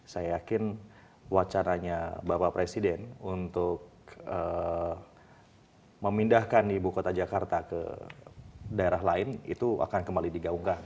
saya yakin wacananya bapak presiden untuk memindahkan ibu kota jakarta ke daerah lain itu akan kembali digaungkan